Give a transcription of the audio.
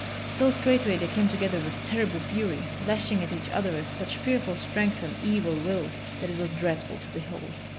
So straightway they came together with terrible fury, lashing at each other with such fearful strength and evil will that it was dreadful to behold.